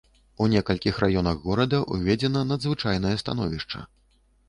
У некалькіх раёнах горада ўведзена надзвычайнае становішча.